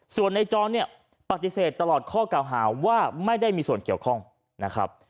ส่วนในจรเนี่ยปฏิเสธตลอดข้อเก่าหาว่าไม่ได้มีส่วนเกี่ยวข้องนะครับ